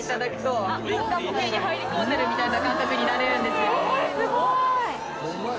・模型に入り込んでるみたいな感覚になれるんですよ・